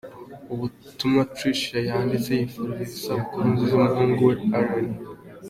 Ubutumwa Tricia yanditse yifuriza isabukuru nziza umuhungu we Elan.